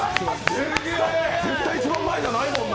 一番前じゃないもんな。